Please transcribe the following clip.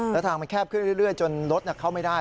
แล้วทางมันแคบขึ้นเรื่อยจนรถเข้าไม่ได้